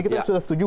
kita sudah setuju